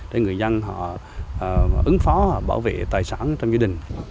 để người dân họ ứng phó bảo vệ tài sản trong gia đình